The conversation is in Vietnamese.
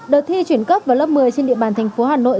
đợt thi chuyển cấp vào lớp một mươi trên địa bàn thành phố hà nội